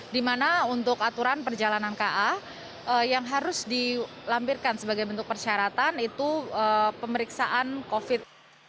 dimana untuk aturan perjalanan ka yang harus dilampirkan sebagai bentuk persyaratan itu pemeriksaan covid